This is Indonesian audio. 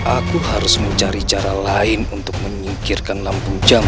aku harus mencari cara lain untuk menyingkirkan lampung jambu